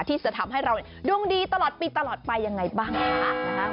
ที่จะทำให้เราดวงดีตลอดปีตลอดไปยังไงบ้างค่ะ